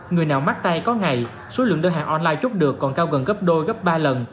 người nào mắc tay có ngày số lượng đơn hàng online chốt được còn cao gần gấp đôi gấp ba lần